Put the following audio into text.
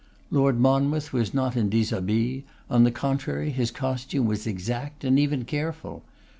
Lord Monmouth was not in dishabille; on the contrary, his costume was exact, and even careful.